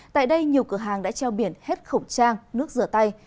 tại đây nhiều cửa hàng đã treo biển hết khẩu trang nước rửa tay